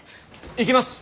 行きます！